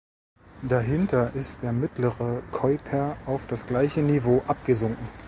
Dahinter ist der mittlere Keuper auf das gleiche Niveau abgesunken.